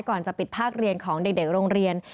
ก่อนจะปิดภาคเรียนของเด็กโรงเรียน